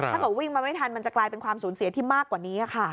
ถ้าเกิดวิ่งมาไม่ทันมันจะกลายเป็นความสูญเสียที่มากกว่านี้ค่ะ